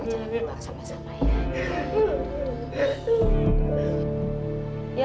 kita cari jalan keluar sama sama ya